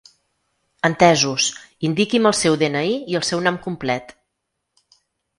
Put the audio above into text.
Entesos, indiqui'm el seu de-ena-i i el seu nom complet.